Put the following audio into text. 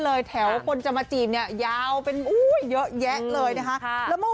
เลยแถวคนจะมาจีบเนี่ยยาวเป็นเยอะเลยนะคะแล้วมาใน